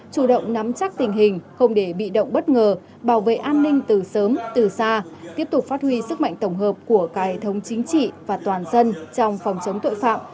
chủ động nắm chắc tình hình không để bị động bất ngờ bảo vệ an ninh từ sớm từ xa tiếp tục phát huy sức mạnh tổng hợp của cài thống chính trị và toàn dân trong phòng chống tội phạm